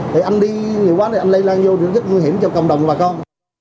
thì anh đi nhiều quá thì anh lây lan vô rất nguy hiểm cho cộng đồng bà con